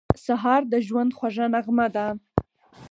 سهار د ژوند خوږه نغمه ده.